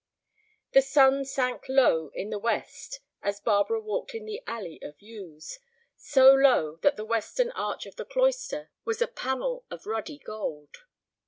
The sun sank low in the west as Barbara walked in the alley of yews, so low that the western arch of the cloister was a panel of ruddy gold.